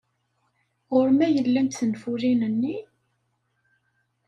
Ɣer-m ay llant tenfulin-nni?